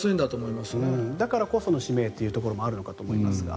だからこその指名というところもあるのかと思いますが。